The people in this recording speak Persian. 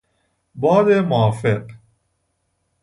باد موافق